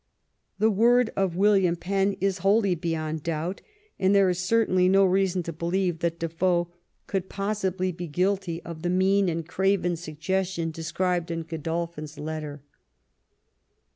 The word of William Penn is wholly beyond doubt, and there is certainly no reason to believe that Defoe could possibly be guilty 78 DISSENT AND DEFOE of the mean and craven suggestion described in Godol phin's letter.